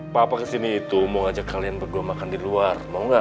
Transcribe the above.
papa kesini itu mau ngajak kalian berguam makan di luar mau gak